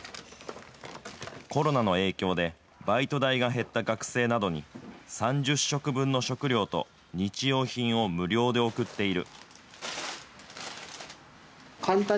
コロナの影響で、バイト代が減った学生などに、３０食分の食料と日用品を無料で送っている。